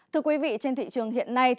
thưa quý vị trên thị trường hiện nay